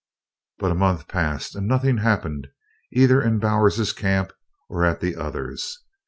But a month passed and nothing happened, either in Bowers's camp or at the others.